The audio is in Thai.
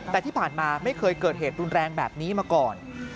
แต่ที่ผ่านมาไม่เคยเกิดเหตุรุนแรงแบบนี้มาก่อน